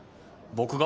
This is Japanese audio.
僕が？